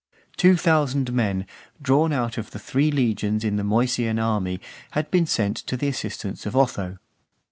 Two thousand men, drawn out of three legions in the Moesian army, had been sent to the assistance of Otho.